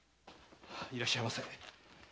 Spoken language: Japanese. いらっしゃいませ。